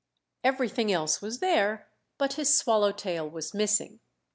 Everything else was there; but his swallowtail was missing.